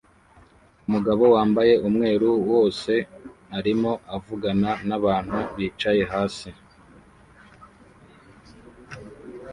Umugabo wambaye umweru wose arimo avugana nabantu bicaye hasi